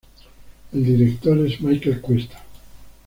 El director es Michael Cuesta.